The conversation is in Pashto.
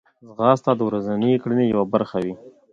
ځغاسته د ورځنۍ کړنې یوه برخه وي